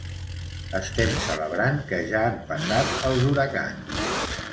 Estem celebrant que ja han passat els huracans.